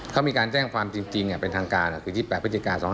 เขามีการแจ้งความจริงเป็นทางการคือ๒๘พฤศจิกา๒๕๖